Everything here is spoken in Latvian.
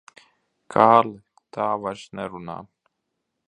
Kārli, tā vairs nerunā.